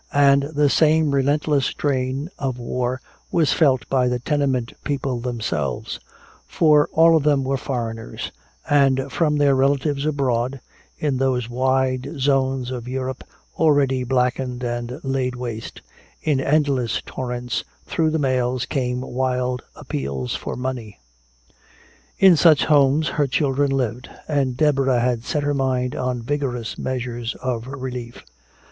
And the same relentless drain of war was felt by the tenement people themselves; for all of them were foreigners, and from their relatives abroad, in those wide zones of Europe already blackened and laid waste, in endless torrents through the mails came wild appeals for money. In such homes her children lived. And Deborah had set her mind on vigorous measures of relief.